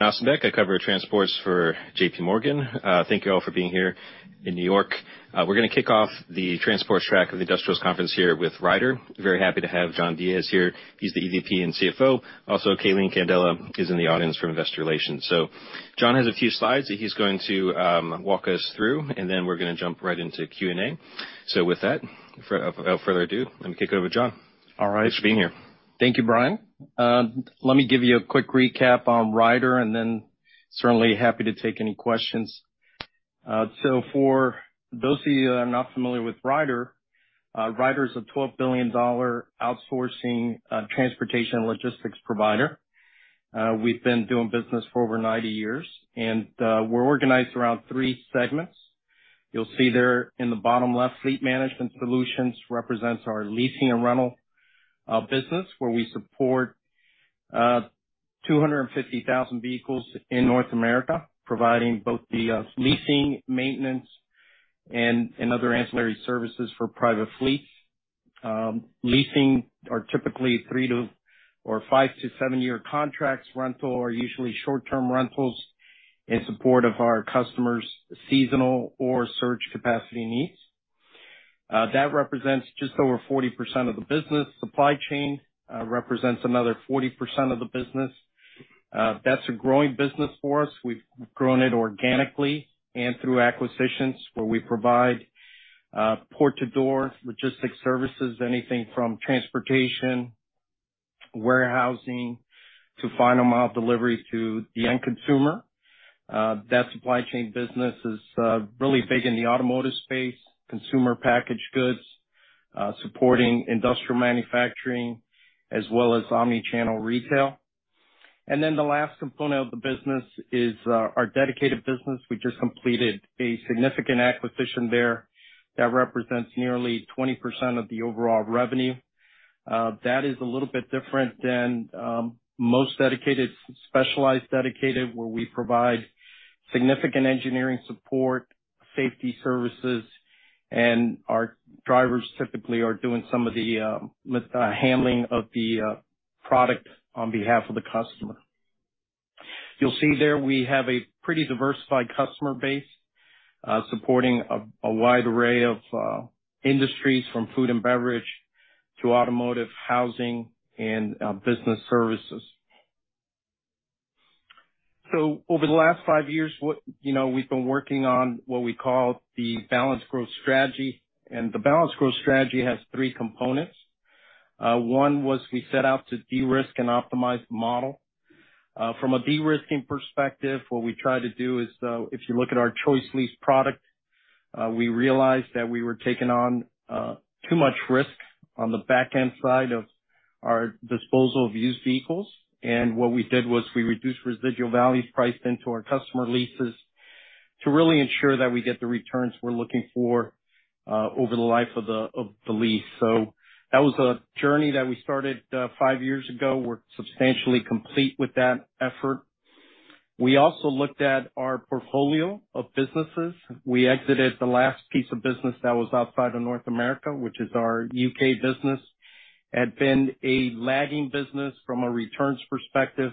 Now, some background coverage of transportation for JPMorgan. Thank you all for being here in New York. We're going to kick off the transportation track of the Industrials Conference here with Ryder. Very happy to have John Diez here. He's the EVP and CFO. Also, Calene Candela is in the audience from Investor Relations. So John has a few slides that he's going to walk us through, and then we're going to jump right into Q&A. So with that, without further ado, let me kick it over to John. All right. Thanks for being here. Thank you, Brian. Let me give you a quick recap on Ryder, and then certainly happy to take any questions. So for those of you that are not familiar with Ryder, Ryder is a $12 billion outsourcing transportation and logistics provider. We've been doing business for over 90 years, and we're organized around three segments. You'll see there in the bottom left, Fleet Management Solutions represents our leasing and rental business, where we support 250,000 vehicles in North America, providing both the leasing, maintenance, and other ancillary services for private fleets. Leasing are typically three or five to seven year contracts. Rental are usually short-term rentals in support of our customers' seasonal or surge capacity needs. That represents just over 40% of the business. Supply Chain represents another 40% of the business. That's a growing business for us. We've grown it organically and through acquisitions, where we provide door-to-door logistics services, anything from transportation, warehousing, to final mile delivery to the end consumer. That supply chain business is really big in the automotive space, consumer packaged goods, supporting industrial manufacturing, as well as omnichannel retail. And then the last component of the business is our dedicated business. We just completed a significant acquisition there that represents nearly 20% of the overall revenue. That is a little bit different than most specialized dedicated, where we provide significant engineering support, safety services, and our drivers typically are doing some of the handling of the product on behalf of the customer. You'll see there we have a pretty diversified customer base supporting a wide array of industries, from food and beverage to automotive, housing, and business services. So over the last five years, we've been working on what we call the balanced growth strategy. And the balanced growth strategy has three components. One was we set out to de-risk and optimize the model. From a de-risking perspective, what we tried to do is, if you look at our ChoiceLease product, we realized that we were taking on too much risk on the backend side of our disposal of used vehicles. And what we did was we reduced residual values priced into our customer leases to really ensure that we get the returns we're looking for over the life of the lease. So that was a journey that we started 5 years ago. We're substantially complete with that effort. We also looked at our portfolio of businesses. We exited the last piece of business that was outside of North America, which is our U.K. business. It had been a lagging business from a returns perspective,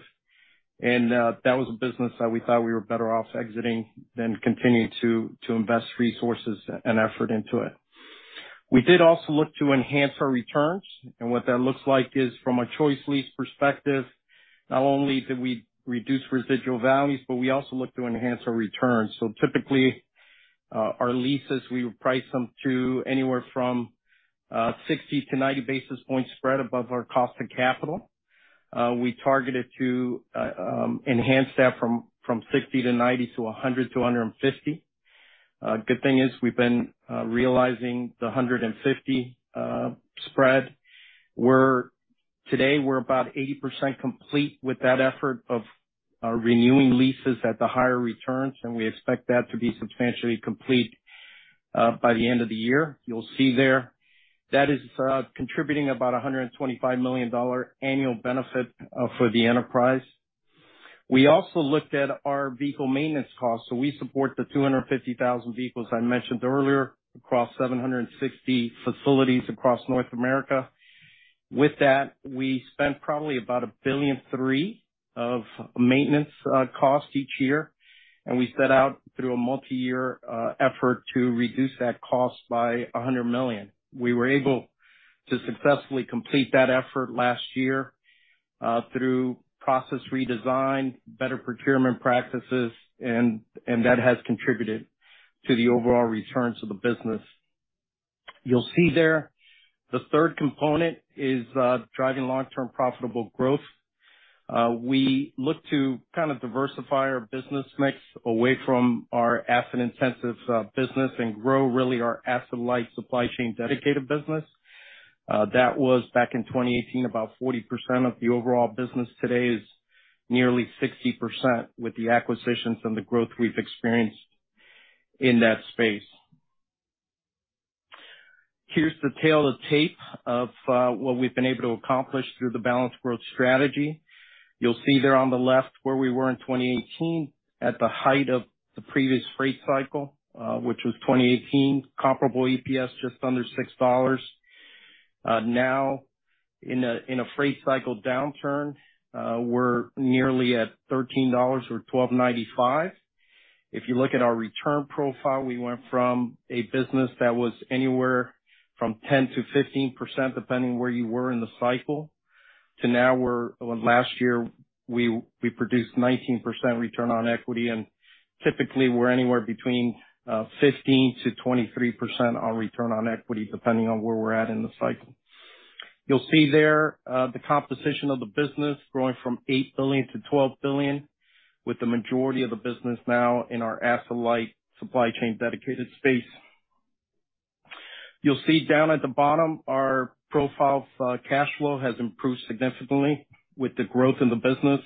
and that was a business that we thought we were better off exiting than continuing to invest resources and effort into it. We did also look to enhance our returns. What that looks like is, from a ChoiceLease perspective, not only did we reduce residual values, but we also looked to enhance our returns. Typically, our leases, we would price them to anywhere from 60-90 basis points spread above our cost of capital. We targeted to enhance that from 60-90 to 100-150. The good thing is, we've been realizing the 150 spread. Today, we're about 80% complete with that effort of renewing leases at the higher returns, and we expect that to be substantially complete by the end of the year. You'll see there that is contributing about $125 million annual benefit for the enterprise. We also looked at our vehicle maintenance costs. So we support the 250,000 vehicles I mentioned earlier across 760 facilities across North America. With that, we spent probably about $1.3 billion of maintenance costs each year, and we set out through a multi-year effort to reduce that cost by $100 million. We were able to successfully complete that effort last year through process redesign, better procurement practices, and that has contributed to the overall returns of the business. You'll see there the third component is driving long-term profitable growth. We looked to kind of diversify our business mix away from our asset-intensive business and grow really our asset-light supply chain dedicated business. That was back in 2018 about 40% of the overall business. Today is nearly 60% with the acquisitions and the growth we've experienced in that space. Here's the tail of the tape of what we've been able to accomplish through the balanced growth strategy. You'll see there on the left where we were in 2018 at the height of the previous freight cycle, which was 2018, comparable EPS just under $6. Now, in a freight cycle downturn, we're nearly at $13 or $12.95. If you look at our return profile, we went from a business that was anywhere from 10%-15%, depending where you were in the cycle, to now where last year, we produced 19% return on equity, and typically, we're anywhere between 15%-23% on return on equity, depending on where we're at in the cycle. You'll see there the composition of the business growing from $8 billion-$12 billion, with the majority of the business now in our asset-light supply chain dedicated space. You'll see down at the bottom, our profile of cash flow has improved significantly with the growth in the business.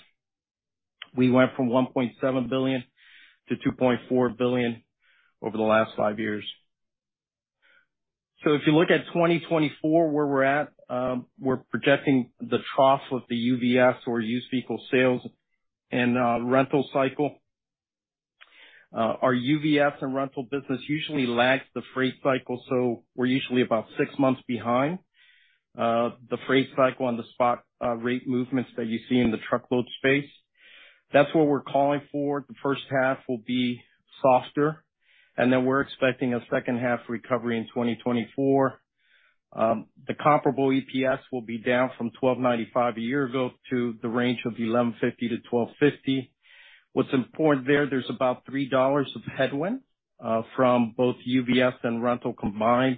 We went from $1.7 billion-$2.4 billion over the last five years. So if you look at 2024, where we're at, we're projecting the trough of the UVS, or used vehicle sales, and rental cycle. Our UVS and rental business usually lags the freight cycle, so we're usually about six months behind the freight cycle on the spot rate movements that you see in the truckload space. That's what we're calling for. The first half will be softer, and then we're expecting a second half recovery in 2024. The comparable EPS will be down from 12.95 a year ago to the range of 11.50-12.50. What's important there, there's about $3 of headwind from both UVS and rental combined.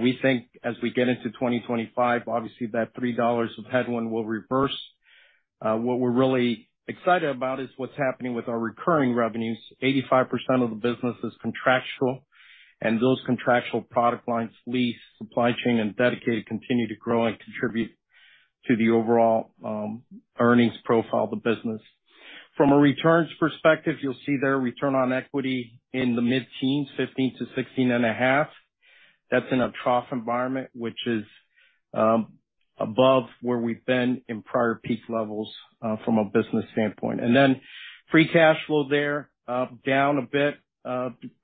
We think as we get into 2025, obviously, that $3 of headwind will reverse. What we're really excited about is what's happening with our recurring revenues. 85% of the business is contractual, and those contractual product lines, lease, supply chain, and dedicated continue to grow and contribute to the overall earnings profile of the business. From a returns perspective, you'll see their return on equity in the mid-teens, 15-16.5. That's in a trough environment, which is above where we've been in prior peak levels from a business standpoint. And then free cash flow there, down a bit,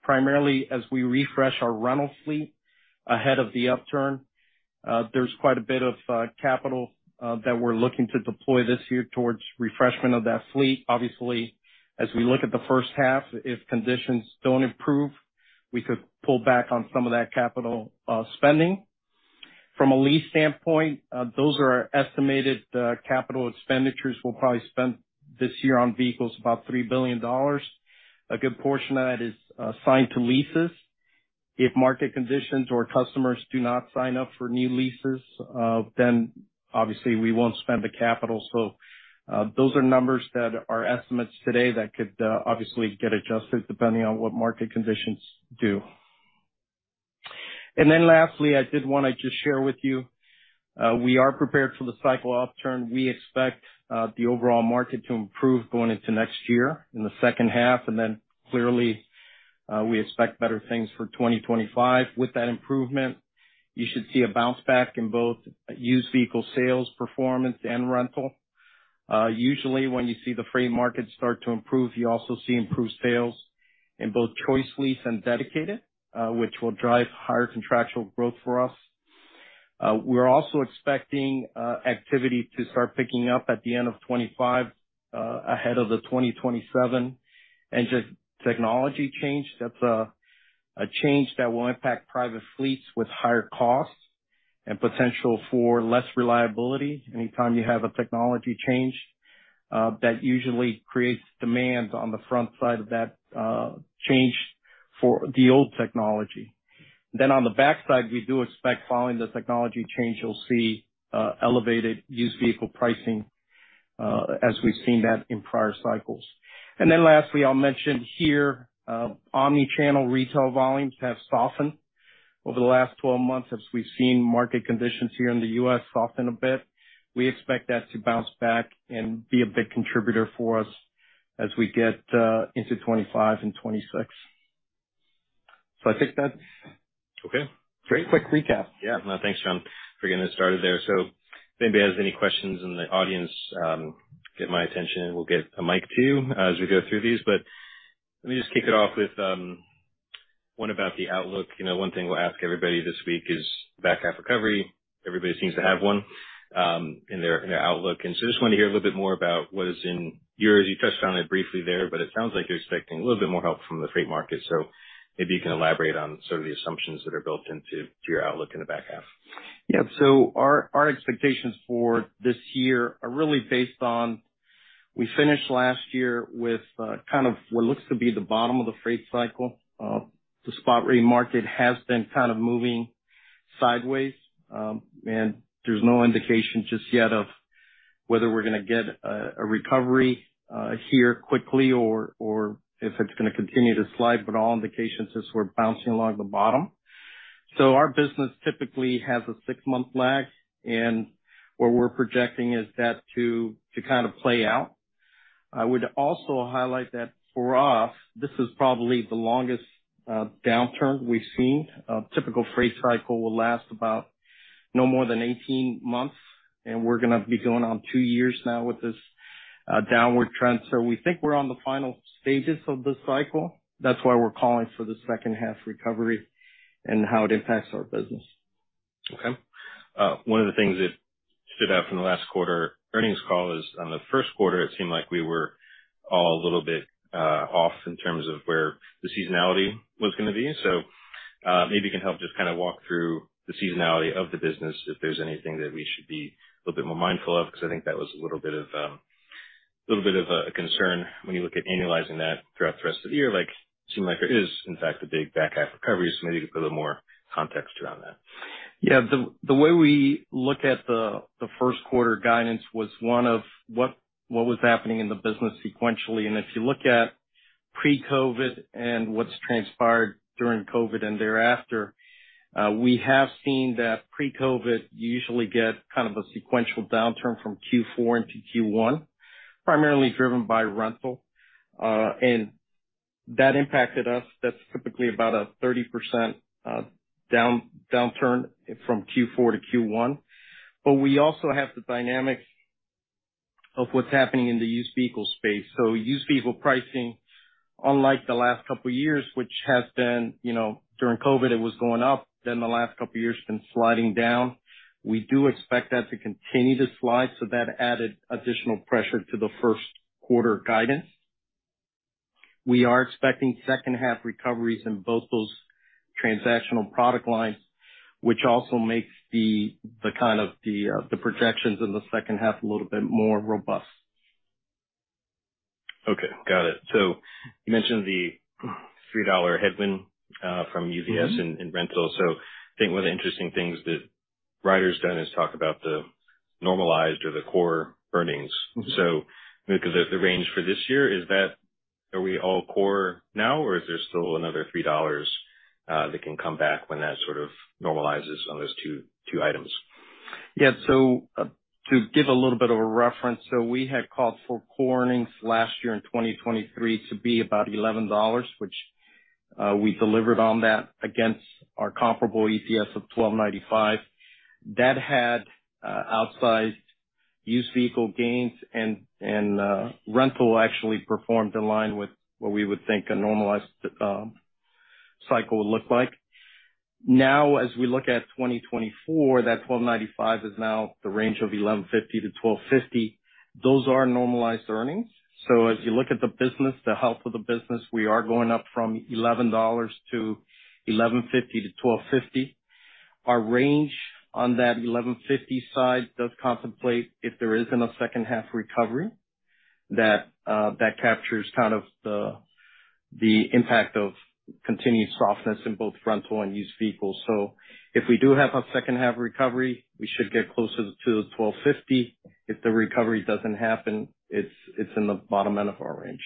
primarily as we refresh our rental fleet ahead of the upturn. There's quite a bit of capital that we're looking to deploy this year towards refreshment of that fleet. Obviously, as we look at the first half, if conditions don't improve, we could pull back on some of that capital spending. From a lease standpoint, those are our estimated capital expenditures. We'll probably spend this year on vehicles about $3 billion. A good portion of that is assigned to leases. If market conditions or customers do not sign up for new leases, then obviously, we won't spend the capital. So those are numbers that are estimates today that could obviously get adjusted depending on what market conditions do. And then lastly, I did want to just share with you, we are prepared for the cycle upturn. We expect the overall market to improve going into next year in the second half, and then clearly, we expect better things for 2025. With that improvement, you should see a bounce back in both used vehicle sales performance and rental. Usually, when you see the freight market start to improve, you also see improved sales in both ChoiceLease and dedicated, which will drive higher contractual growth for us. We're also expecting activity to start picking up at the end of 2025 ahead of the 2027. And just technology change, that's a change that will impact private fleets with higher cost and potential for less reliability. Anytime you have a technology change, that usually creates demand on the front side of that change for the old technology. Then on the backside, we do expect following the technology change, you'll see elevated used vehicle pricing as we've seen that in prior cycles. Then lastly, I'll mention here, omnichannel retail volumes have softened over the last 12 months as we've seen market conditions here in the U.S. soften a bit. We expect that to bounce back and be a big contributor for us as we get into 2025 and 2026. I think that's a very quick recap. Okay. Great. Quick recap. Yeah. No, thanks, John, for getting us started there. So maybe if any questions in the audience get my attention, we'll get a mic too as we go through these. But let me just kick it off with one about the outlook. One thing we'll ask everybody this week is back half recovery. Everybody seems to have one in their outlook. And so I just wanted to hear a little bit more about what is in yours as you touched on it briefly there, but it sounds like you're expecting a little bit more help from the freight market. So maybe you can elaborate on sort of the assumptions that are built into your outlook in the back half. Yeah. So our expectations for this year are really based on we finished last year with kind of what looks to be the bottom of the freight cycle. The spot rate market has been kind of moving sideways, and there's no indication just yet of whether we're going to get a recovery here quickly or if it's going to continue to slide. But all indications is we're bouncing along the bottom. So our business typically has a six-month lag, and what we're projecting is that to kind of play out. I would also highlight that for us, this is probably the longest downturn we've seen. A typical freight cycle will last no more than 18 months, and we're going to be going on two years now with this downward trend. So we think we're on the final stages of this cycle. That's why we're calling for the second half recovery and how it impacts our business. Okay. One of the things that stood out from the last quarter earnings call is on the first quarter, it seemed like we were all a little bit off in terms of where the seasonality was going to be. So maybe you can help just kind of walk through the seasonality of the business, if there's anything that we should be a little bit more mindful of, because I think that was a little bit of a concern when you look at annualizing that throughout the rest of the year. It seemed like there is, in fact, a big back half recovery. So maybe you could put a little more context around that. Yeah. The way we look at the first quarter guidance was one of what was happening in the business sequentially. If you look at pre-COVID and what's transpired during COVID and thereafter, we have seen that pre-COVID, you usually get kind of a sequential downturn from Q4 into Q1, primarily driven by rental. That impacted us. That's typically about a 30% downturn from Q4 to Q1. But we also have the dynamic of what's happening in the used vehicle space. Used vehicle pricing, unlike the last couple of years, which has been during COVID, it was going up, then the last couple of years it's been sliding down. We do expect that to continue to slide. That added additional pressure to the first quarter guidance. We are expecting second half recoveries in both those transactional product lines, which also makes the kind of the projections in the second half a little bit more robust. Okay. Got it. So you mentioned the $3 headwind from UVS and rental. So I think one of the interesting things that Ryder's done is talk about the normalized or the core earnings. So I mean, because of the range for this year, are we all core now, or is there still another $3 that can come back when that sort of normalizes on those two items? Yeah. So to give a little bit of a reference, so we had called for core earnings last year in 2023 to be about $11, which we delivered on that against our comparable EPS of $12.95. That had outsized used vehicle gains, and rental actually performed in line with what we would think a normalized cycle would look like. Now, as we look at 2024, that $12.95 is now the range of $11.50-$12.50. Those are normalized earnings. So as you look at the business, the health of the business, we are going up from $11 to $11.50-$12.50. Our range on that $11.50 side does contemplate if there isn't a second half recovery. That captures kind of the impact of continued softness in both rental and used vehicles. So if we do have a second half recovery, we should get closer to the $12.50. If the recovery doesn't happen, it's in the bottom end of our range.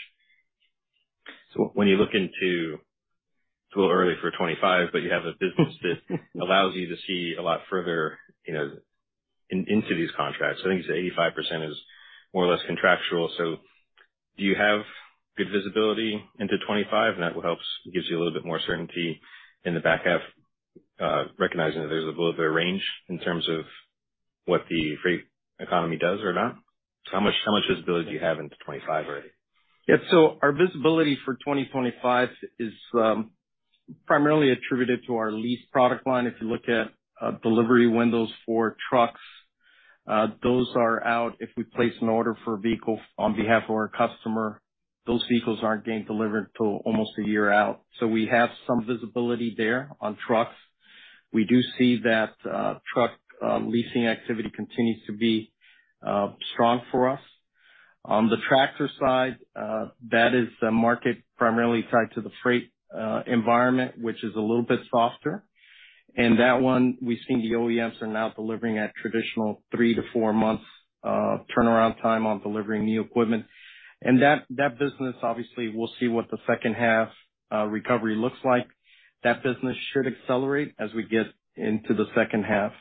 So when you look into it, it's a little early for 2025, but you have a business that allows you to see a lot further into these contracts. I think you said 85% is more or less contractual. So do you have good visibility into 2025? And that gives you a little bit more certainty in the back half, recognizing that there's a little bit of range in terms of what the freight economy does or not. So how much visibility do you have into 2025 already? Yeah. So our visibility for 2025 is primarily attributed to our lease product line. If you look at delivery windows for trucks, those are out. If we place an order for a vehicle on behalf of our customer, those vehicles aren't getting delivered until almost a year out. So we have some visibility there on trucks. We do see that truck leasing activity continues to be strong for us. On the tractor side, that is a market primarily tied to the freight environment, which is a little bit softer. And that one, we've seen the OEMs are now delivering at traditional three to four months turnaround time on delivering new equipment. And that business, obviously, we'll see what the second half recovery looks like. That business should accelerate as we get into the second half.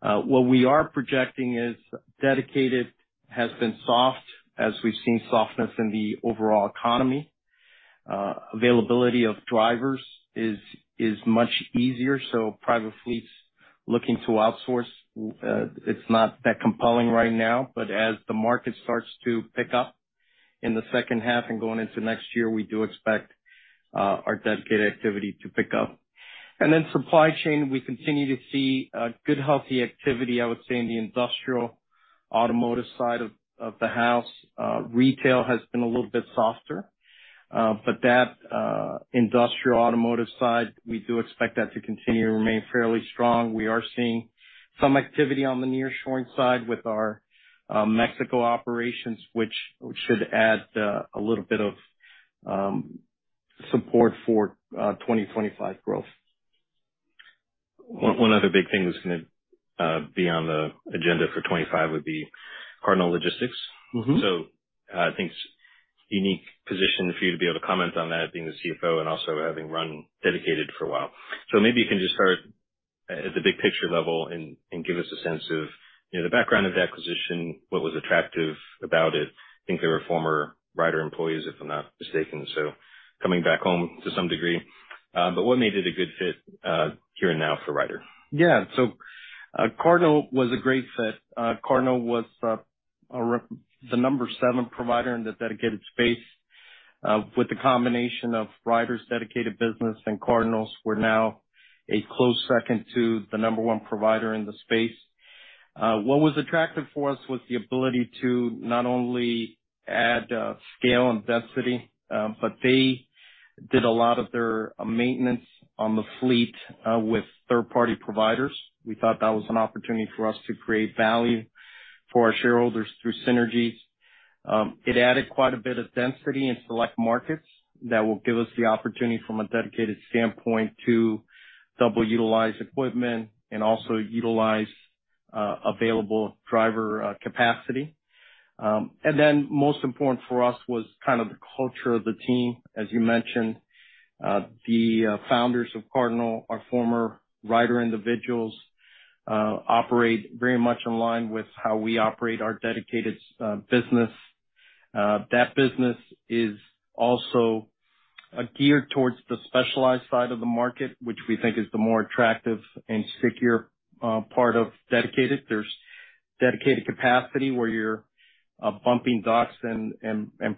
What we are projecting is dedicated has been soft, as we've seen softness in the overall economy. Availability of drivers is much easier. So private fleets looking to outsource, it's not that compelling right now. But as the market starts to pick up in the second half and going into next year, we do expect our dedicated activity to pick up. And then supply chain, we continue to see good, healthy activity, I would say, in the industrial automotive side of the house. Retail has been a little bit softer, but that industrial automotive side, we do expect that to continue to remain fairly strong. We are seeing some activity on the nearshoring side with our Mexico operations, which should add a little bit of support for 2025 growth. One other big thing that's going to be on the agenda for 2025 would be Cardinal Logistics. So I think it's a unique position for you to be able to comment on that, being the CFO and also having run dedicated for a while. So maybe you can just start at the big picture level and give us a sense of the background of the acquisition, what was attractive about it. I think they were former Ryder employees, if I'm not mistaken, so coming back home to some degree. But what made it a good fit here and now for Ryder? Yeah. So Cardinal was a great fit. Cardinal was the number 7 provider in the dedicated space. With the combination of Ryder's dedicated business and Cardinal's, we're now a close second to the number 1 provider in the space. What was attractive for us was the ability to not only add scale and density, but they did a lot of their maintenance on the fleet with third-party providers. We thought that was an opportunity for us to create value for our shareholders through synergies. It added quite a bit of density in select markets that will give us the opportunity from a dedicated standpoint to double-utilize equipment and also utilize available driver capacity. And then most important for us was kind of the culture of the team. As you mentioned, the founders of Cardinal are former Ryder individuals, operate very much in line with how we operate our dedicated business. That business is also geared towards the specialized side of the market, which we think is the more attractive and stickier part of dedicated. There's dedicated capacity where you're bumping docks and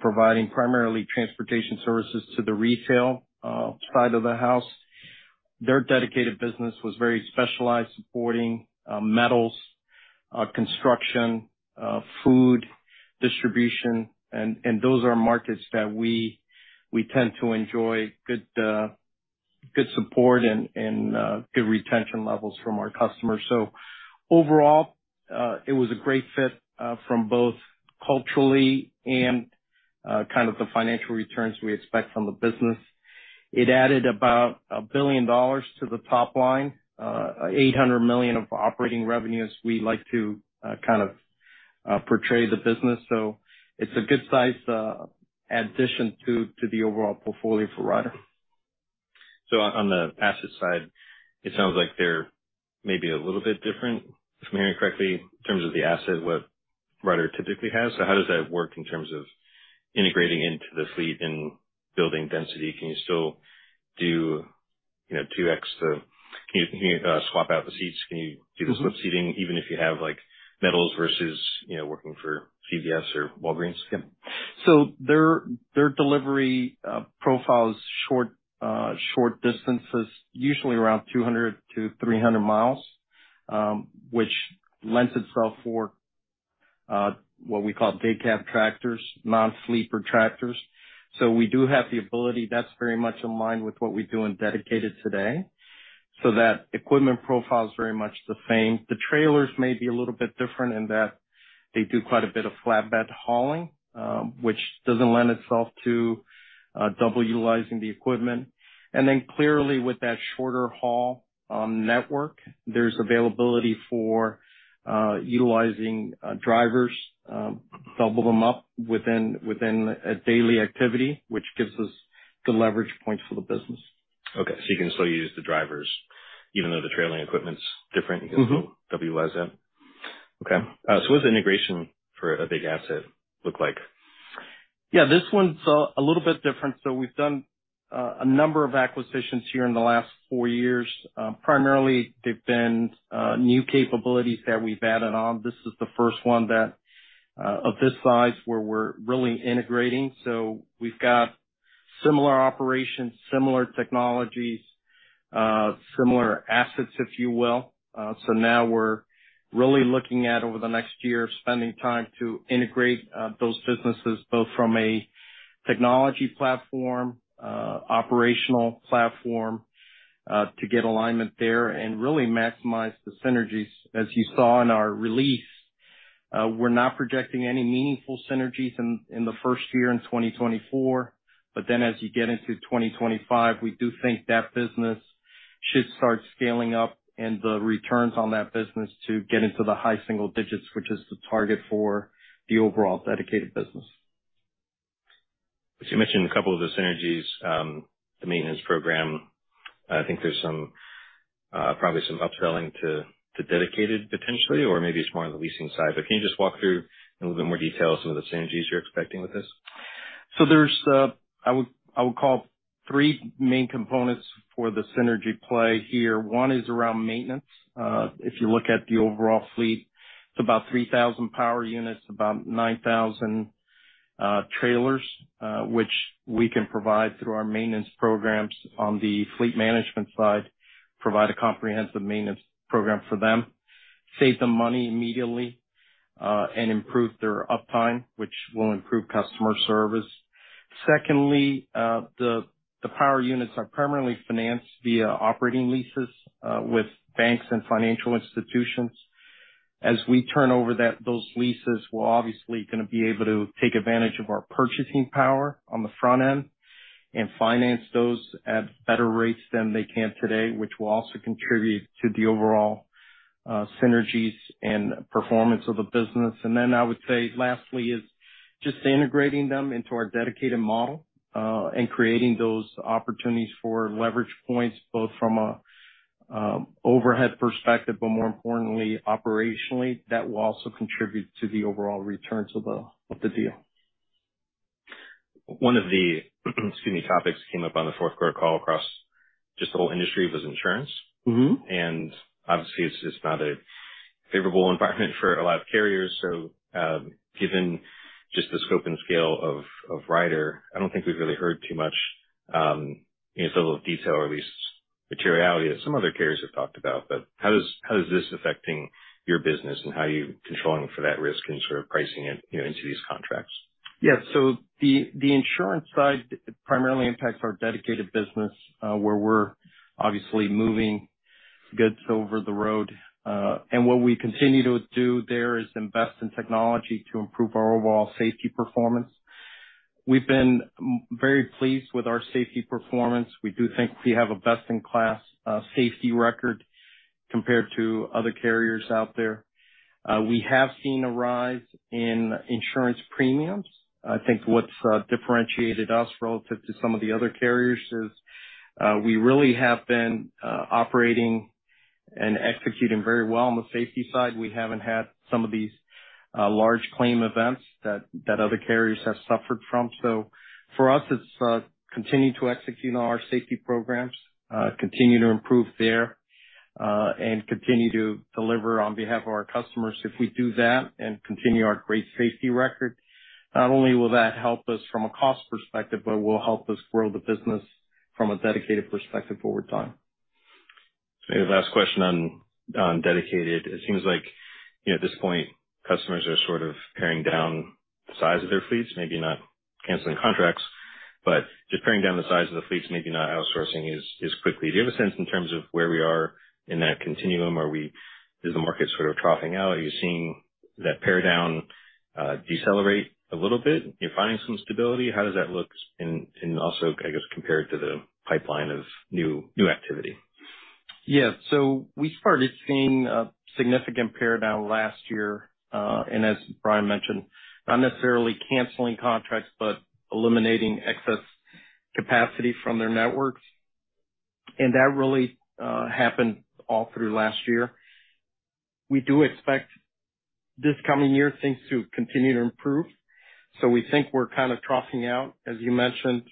providing primarily transportation services to the retail side of the house. Their dedicated business was very specialized, supporting metals, construction, food distribution. And those are markets that we tend to enjoy good support and good retention levels from our customers. So overall, it was a great fit from both culturally and kind of the financial returns we expect from the business. It added about $1 billion to the top line, $800 million of operating revenue as we like to kind of portray the business. So it's a good-sized addition to the overall portfolio for Ryder. So on the asset side, it sounds like they're maybe a little bit different, if I'm hearing correctly, in terms of the asset, what Ryder typically has. So how does that work in terms of integrating into the fleet and building density? Can you still do 2x the can you swap out the seats? Can you do the slip-seating even if you have metals versus working for CVS or Walgreens? Yeah. So their delivery profile is short distances, usually around 200-300 miles, which lends itself for what we call day cab tractors, non-sleeper tractors. So we do have the ability that's very much in line with what we do in dedicated today. So that equipment profile is very much the same. The trailers may be a little bit different in that they do quite a bit of flatbed hauling, which doesn't lend itself to double-utilizing the equipment. And then clearly, with that shorter haul network, there's availability for utilizing drivers, double them up within a daily activity, which gives us good leverage points for the business. Okay. So you can still use the drivers even though the trailing equipment's different. You can still double utilize that. Okay. So what does integration for a big asset look like? Yeah. This one's a little bit different. So we've done a number of acquisitions here in the last four years. Primarily, they've been new capabilities that we've added on. This is the first one of this size where we're really integrating. So we've got similar operations, similar technologies, similar assets, if you will. So now we're really looking at, over the next year, spending time to integrate those businesses both from a technology platform, operational platform, to get alignment there and really maximize the synergies. As you saw in our release, we're not projecting any meaningful synergies in the first year in 2024. But then as you get into 2025, we do think that business should start scaling up and the returns on that business to get into the high single digits, which is the target for the overall dedicated business. So you mentioned a couple of the synergies, the maintenance program. I think there's probably some upselling to dedicated potentially, or maybe it's more on the leasing side. But can you just walk through in a little bit more detail some of the synergies you're expecting with this? So there's, I would call, three main components for the synergy play here. One is around maintenance. If you look at the overall fleet, it's about 3,000 power units, about 9,000 trailers, which we can provide through our maintenance programs on the fleet management side, provide a comprehensive maintenance program for them, save them money immediately, and improve their uptime, which will improve customer service. Secondly, the power units are primarily financed via operating leases with banks and financial institutions. As we turn over those leases, we're obviously going to be able to take advantage of our purchasing power on the front end and finance those at better rates than they can today, which will also contribute to the overall synergies and performance of the business. Then I would say lastly is just integrating them into our dedicated model and creating those opportunities for leverage points both from an overhead perspective but more importantly, operationally. That will also contribute to the overall returns of the deal. One of the—excuse me—topics that came up on the fourth-quarter call across just the whole industry was insurance. And obviously, it's not a favorable environment for a lot of carriers. So given just the scope and scale of Ryder, I don't think we've really heard too much in terms of detail or at least materiality that some other carriers have talked about. But how is this affecting your business and how are you controlling for that risk and sort of pricing it into these contracts? Yeah. So the insurance side primarily impacts our dedicated business where we're obviously moving goods over the road. What we continue to do there is invest in technology to improve our overall safety performance. We've been very pleased with our safety performance. We do think we have a best-in-class safety record compared to other carriers out there. We have seen a rise in insurance premiums. I think what's differentiated us relative to some of the other carriers is we really have been operating and executing very well on the safety side. We haven't had some of these large claim events that other carriers have suffered from. So for us, it's continue to execute on our safety programs, continue to improve there, and continue to deliver on behalf of our customers. If we do that and continue our great safety record, not only will that help us from a cost perspective, but it will help us grow the business from a dedicated perspective over time. Maybe the last question on dedicated. It seems like at this point, customers are sort of paring down the size of their fleets, maybe not canceling contracts, but just paring down the size of the fleets, maybe not outsourcing as quickly. Do you have a sense in terms of where we are in that continuum? Is the market sort of troughing out? Are you seeing that pare down decelerate a little bit? Are you finding some stability? How does that look and also, I guess, compared to the pipeline of new activity? Yeah. So we started seeing a significant pare down last year. And as Brian mentioned, not necessarily canceling contracts but eliminating excess capacity from their networks. And that really happened all through last year. We do expect this coming year things to continue to improve. So we think we're kind of troughing out. As you mentioned,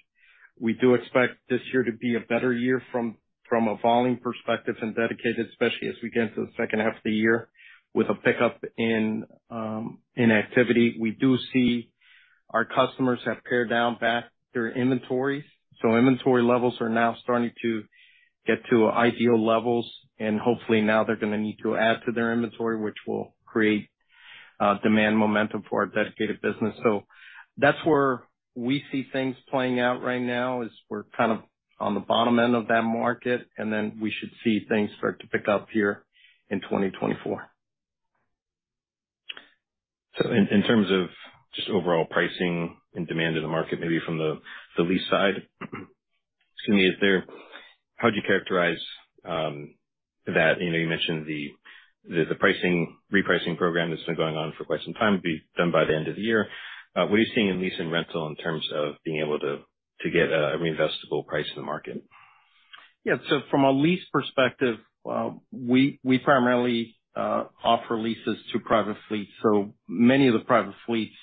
we do expect this year to be a better year from a volume perspective and dedicated, especially as we get into the second half of the year with a pickup in activity. We do see our customers have pared back their inventories. So inventory levels are now starting to get to ideal levels. And hopefully, now they're going to need to add to their inventory, which will create demand momentum for our dedicated business. That's where we see things playing out right now is we're kind of on the bottom end of that market. Then we should see things start to pick up here in 2024. So in terms of just overall pricing and demand in the market, maybe from the lease side, excuse me, how would you characterize that? You mentioned the repricing program that's been going on for quite some time would be done by the end of the year. What are you seeing in lease and rental in terms of being able to get a reinvestible price in the market? Yeah. So from a lease perspective, we primarily offer leases to private fleets. So many of the private fleets,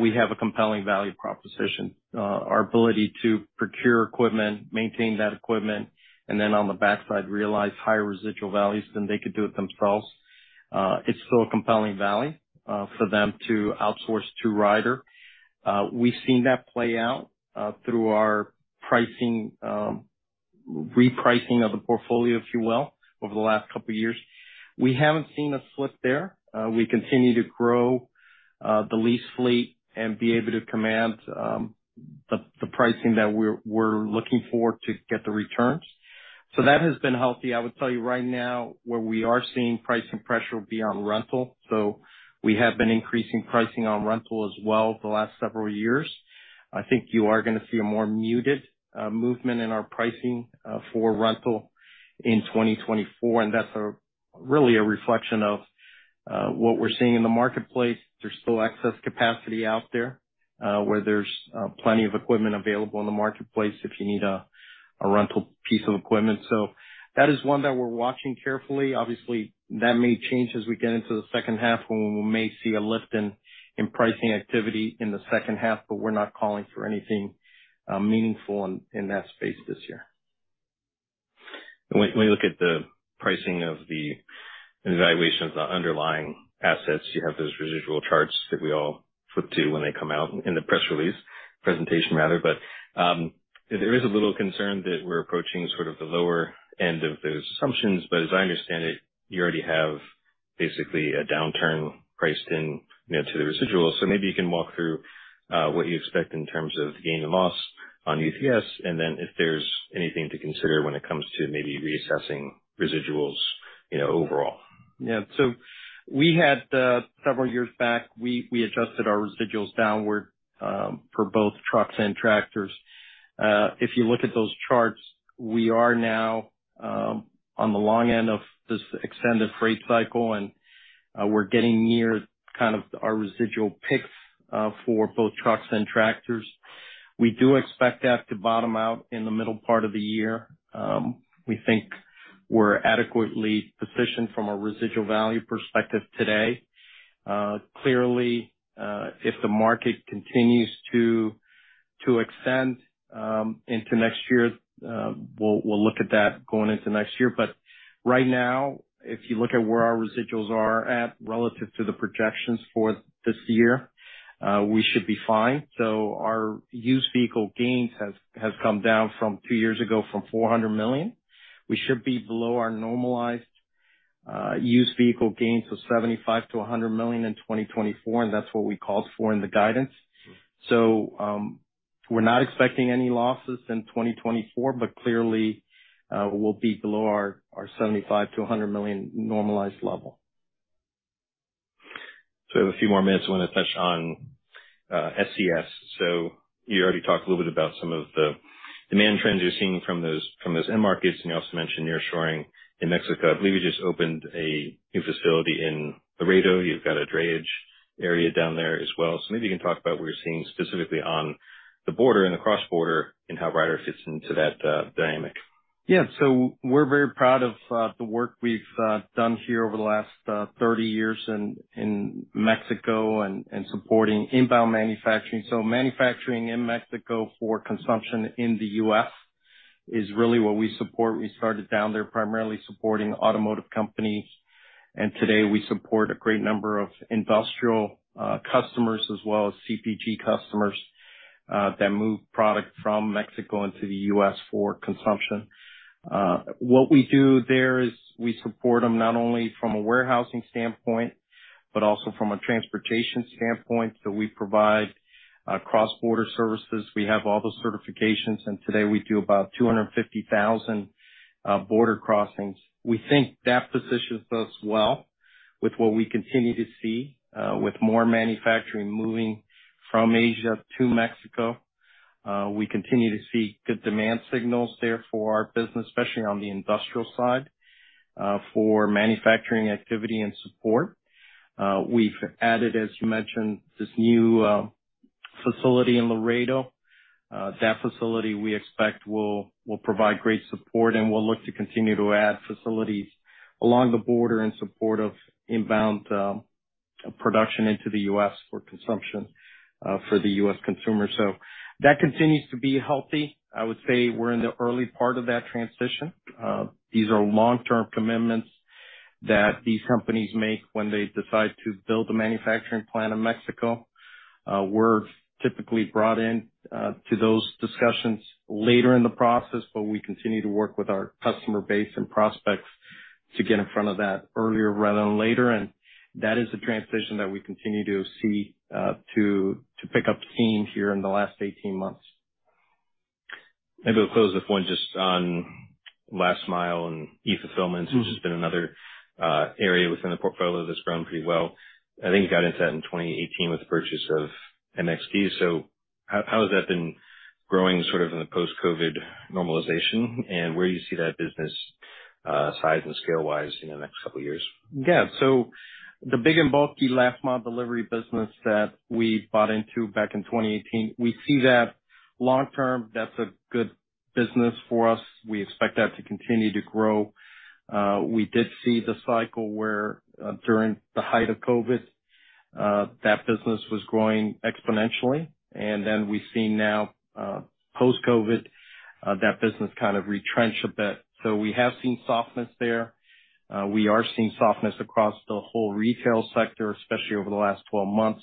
we have a compelling value proposition, our ability to procure equipment, maintain that equipment, and then on the backside, realize higher residual values than they could do it themselves. It's still a compelling value for them to outsource to Ryder. We've seen that play out through our repricing of the portfolio, if you will, over the last couple of years. We haven't seen a slip there. We continue to grow the lease fleet and be able to command the pricing that we're looking for to get the returns. So that has been healthy. I would tell you right now where we are seeing pricing pressure beyond rental. So we have been increasing pricing on rental as well the last several years. I think you are going to see a more muted movement in our pricing for rental in 2024. That's really a reflection of what we're seeing in the marketplace. There's still excess capacity out there where there's plenty of equipment available in the marketplace if you need a rental piece of equipment. That is one that we're watching carefully. Obviously, that may change as we get into the second half when we may see a lift in pricing activity in the second half. We're not calling for anything meaningful in that space this year. When you look at the pricing of the evaluations of the underlying assets, you have those residual charts that we all flip to when they come out in the press release presentation, rather. But there is a little concern that we're approaching sort of the lower end of those assumptions. But as I understand it, you already have basically a downturn priced into the residuals. So maybe you can walk through what you expect in terms of gain and loss on UVS and then if there's anything to consider when it comes to maybe reassessing residuals overall. Yeah. So several years back, we adjusted our residuals downward for both trucks and tractors. If you look at those charts, we are now on the long end of this extended freight cycle. And we're getting near kind of our residual peaks for both trucks and tractors. We do expect that to bottom out in the middle part of the year. We think we're adequately positioned from a residual value perspective today. Clearly, if the market continues to extend into next year, we'll look at that going into next year. But right now, if you look at where our residuals are at relative to the projections for this year, we should be fine. So our used vehicle gains have come down from two years ago from $400 million. We should be below our normalized used vehicle gains of $75 million-$100 million in 2024. That's what we called for in the guidance. We're not expecting any losses in 2024. Clearly, we'll be below our $75 million-$100 million normalized level. We have a few more minutes. I want to touch on SCS. You already talked a little bit about some of the demand trends you're seeing from those end markets. You also mentioned nearshoring in Mexico. I believe you just opened a new facility in Laredo. You've got a drayage area down there as well. Maybe you can talk about what you're seeing specifically on the border and the cross-border and how Ryder fits into that dynamic. Yeah. So we're very proud of the work we've done here over the last 30 years in Mexico and supporting inbound manufacturing. So manufacturing in Mexico for consumption in the U.S. is really what we support. We started down there primarily supporting automotive companies. And today, we support a great number of industrial customers as well as CPG customers that move product from Mexico into the U.S. for consumption. What we do there is we support them not only from a warehousing standpoint but also from a transportation standpoint. So we provide cross-border services. We have all the certifications. And today, we do about 250,000 border crossings. We think that positions us well with what we continue to see, with more manufacturing moving from Asia to Mexico. We continue to see good demand signals there for our business, especially on the industrial side, for manufacturing activity and support. We've added, as you mentioned, this new facility in Laredo. That facility, we expect, will provide great support. We'll look to continue to add facilities along the border in support of inbound production into the U.S. for consumption for the U.S. consumer. That continues to be healthy. I would say we're in the early part of that transition. These are long-term commitments that these companies make when they decide to build a manufacturing plant in Mexico. We're typically brought into those discussions later in the process. But we continue to work with our customer base and prospects to get in front of that earlier rather than later. That is a transition that we continue to see to pick up steam here in the last 18 months. Maybe we'll close with one just on last mile and e-fulfillments, which has been another area within the portfolio that's grown pretty well. I think you got into that in 2018 with the purchase of MXD. So how has that been growing sort of in the post-COVID normalization? And where do you see that business size and scale-wise in the next couple of years? Yeah. So the big and bulky last-mile delivery business that we bought into back in 2018, we see that long-term, that's a good business for us. We expect that to continue to grow. We did see the cycle where during the height of COVID, that business was growing exponentially. And then we've seen now post-COVID, that business kind of retrench a bit. So we have seen softness there. We are seeing softness across the whole retail sector, especially over the last 12 months.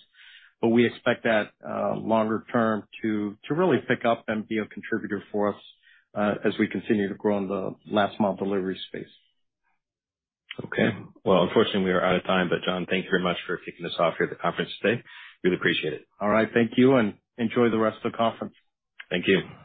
But we expect that longer term to really pick up and be a contributor for us as we continue to grow in the last-mile delivery space. Okay. Well, unfortunately, we are out of time. But John, thank you very much for kicking us off here at the conference today. Really appreciate it. All right. Thank you. Enjoy the rest of the conference. Thank you.